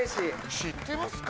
知ってますか？